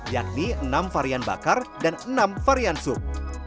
yakni enam varian bakar dan enam varian sup